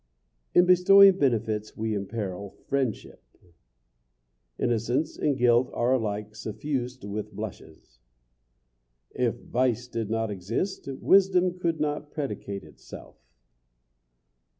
In bestowing benefits we imperil friendship. Innocence and guilt are alike suffused with blushes. If vice did not exist wisdom could not predicate itself.